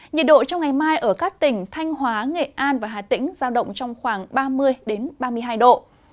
nhiệt độ trong ngày mai ở các tỉnh thanh hóa nghệ an và hà tĩnh giao động trong khoảng ba mươi ba mươi hai độ